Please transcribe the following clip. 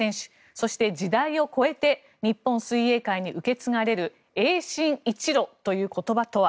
そして、時代を超えて日本水泳界に受け継がれる泳心一路という言葉とは。